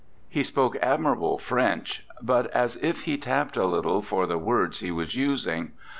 He spoke ad mirable French, but as if he tapped a little for the words he was using.